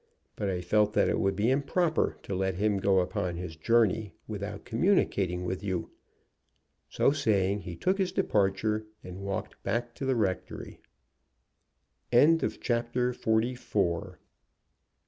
But I felt it would be improper to let him go upon his journey without communicating with you." So saying, he took his departure and walked back to the rectory. CHAPTER XLV. A DETERMINED YOUNG LADY.